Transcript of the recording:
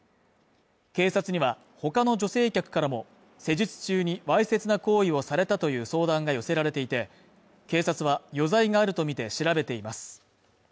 警察にはほかの女性客からも、施術中にわいせつな行為をされたという相談が寄せられていて、警察は余罪があるとみて調べています。